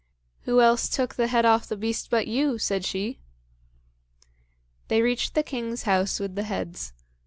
"Who else took the head off the beast but you?" said she. They reached the king's house with the heads.